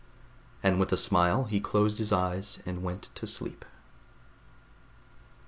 And with a smile he closed his eyes and went to sleep.